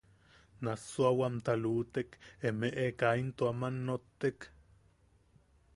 ¿Nassuawamta luʼutek emeʼe kaa into aman nottek?